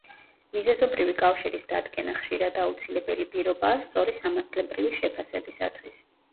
მიზეზობრივი კავშირის დადგენა ხშირად აუცილებელი პირობაა სწორი სამართლებრივი შეფასებისათვის.